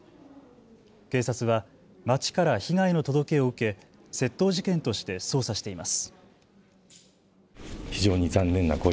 警察は町から被害の届けを受け窃盗事件として捜査しています。